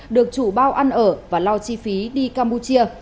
được chủ bao ăn ở và lo chi phí đi campuchia